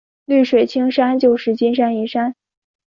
绿水青山就是金山银山